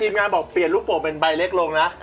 ทีมงานบอกเปลี่ยนลูกโปะเป็นใบเล็กลงบ้าง